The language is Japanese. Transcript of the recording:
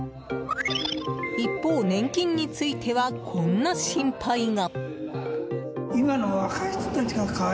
一方、年金についてはこんな心配が。